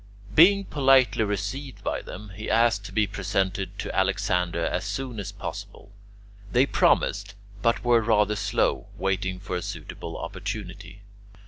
Being politely received by them, he asked to be presented to Alexander as soon as possible. They promised, but were rather slow, waiting for a suitable opportunity.